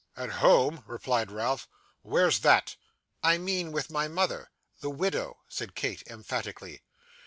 'At home!' replied Ralph; 'where's that?' 'I mean with my mother THE WIDOW,' said Kate emphatically.